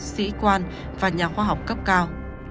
sĩ quan và nhà khoa học cấp cao